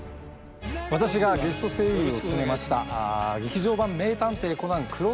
私がゲスト声優を務めました。